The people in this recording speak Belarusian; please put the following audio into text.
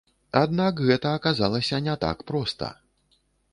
Аднак гэта аказалася не так проста.